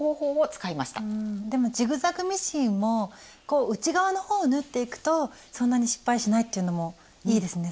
でもジグザグミシンも内側のほうを縫っていくとそんなに失敗しないっていうのもいいですね。